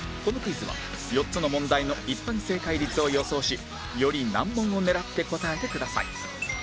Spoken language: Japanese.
このクイズは４つの問題の一般正解率を予想しより難問を狙って答えてください